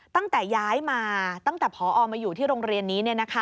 ตั้งแต่ย้ายมาตั้งแต่พอมาอยู่ที่โรงเรียนนี้